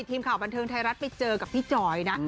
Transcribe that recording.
ทีมข่าวบันเทิงไทยรัฐไปเจอกับพี่จอยนะ